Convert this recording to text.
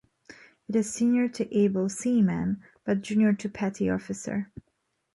It is senior to able seaman but junior to petty officer.